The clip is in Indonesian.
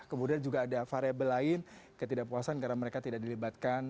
kemudian juga ada variable lain ketidakpuasan karena mereka tidak dilibatkan